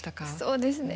そうですね。